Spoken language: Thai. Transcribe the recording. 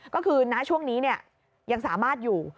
ก็คือณช่วงนี้ยังสามารถอยู่